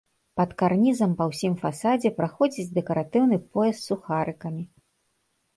Пад карнізам па ўсім фасадзе праходзіць дэкаратыўны пояс з сухарыкамі.